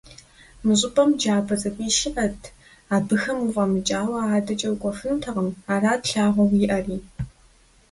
Мы щӀыпӀэм джабэ цӀыкӀуищ иӀэт, абыхэм уфӀэмыкӀауэ адэкӀэ укӀуэфынутэкъым, арат лъагъуэу иӀэри.